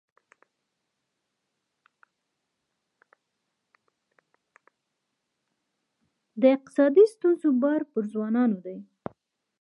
د اقتصادي ستونزو بار پر ځوانانو دی.